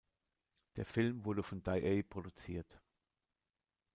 Der Film wurde von Daiei produziert.